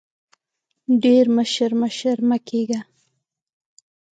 ډېر مشر مشر مه کېږه !